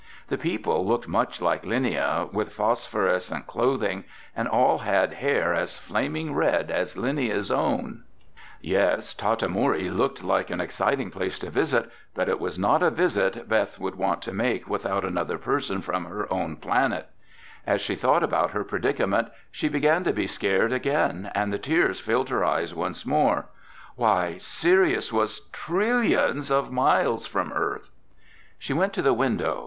The people looked much like Linnia, with phosphorescent clothing, and all had hair as flaming red as Linnia's own. [Illustration: She saw a strange land unfolding before her eyes] Yes, Tata Moori looked like an exciting place to visit, but it was not a visit Beth would want to make without another person from her own planet. As she thought about her predicament, she began to be scared again and the tears filled her eyes once more. Why, Sirius was trillions of miles from Earth! She went to the window.